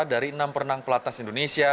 dari enam perenang pelatnas indonesia